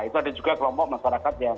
itu ada juga kelompok masyarakat yang